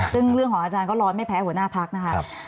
ซึ่งเรื่องของอาจารย์ก็ร้อนไม่แพ้หัวหน้าพักนะคะ